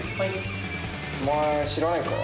お前知らないか？